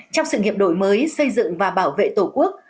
trong sự nghiệp đổi mới xây dựng và bảo vệ tổ quốc